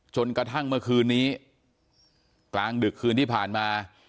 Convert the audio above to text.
จนกระทั่งเมื่อคืนนี้กลางดึกคืนที่ผ่านมา